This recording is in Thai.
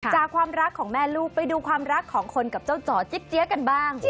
จากความรักของแม่ลูกไปดูความรักของคนกับเจ้าจ่อจิ๊บเจี๊ยกันบ้าง